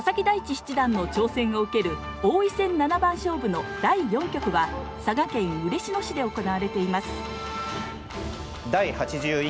七段の挑戦を受ける王位戦七番勝負の第４局は佐賀県嬉野市で行われています。